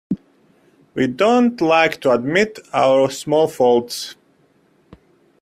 We don't like to admit our small faults.